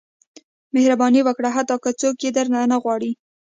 • مهرباني وکړه، حتی که څوک یې درنه نه غواړي.